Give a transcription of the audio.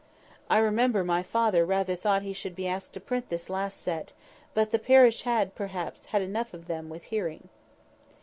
I remember my father rather thought he should be asked to print this last set; but the parish had, perhaps, had enough of them with hearing."